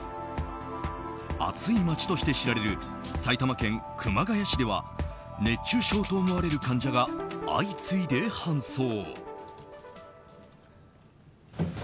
暑い街として知られる埼玉県熊谷市では熱中症と思われる患者が相次いで搬送。